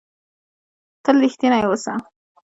تل رښتنی اوسهٔ.